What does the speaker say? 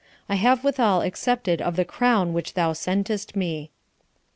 I have withal accepted of the crown which thou sentest me."